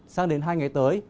sang đến hai ngày tới